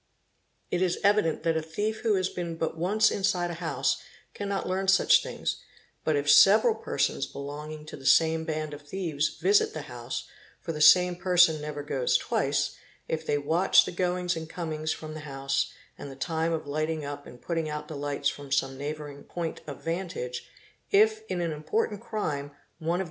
It is evident that a thief who has been but once inside a house cannot learn such things; but if several persons i slonging to the same band of thieves visit the house, for the same person never goes twice; if they watch the goings and comings from the | ouse and the time of lighting up and putting out the lights from some ighbouring point of vantage; if in an important crime one of the